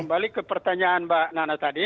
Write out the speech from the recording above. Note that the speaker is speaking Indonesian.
kembali ke pertanyaan mbak nana tadi